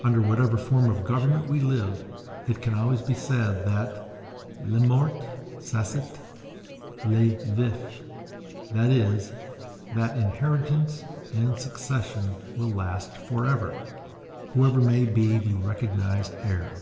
Under whatever form of government we live, it can always be said that le mort saisit le vif; that is, that inheritance and succession will last for ever, whoever may be the recognized heir.